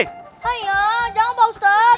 hai ya jangan pak ustadz